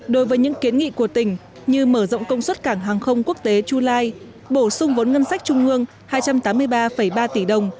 đối với những kiến nghị của tỉnh như mở rộng công suất cảng hàng không quốc tế chu lai bổ sung vốn ngân sách trung ương hai trăm tám mươi ba ba tỷ đồng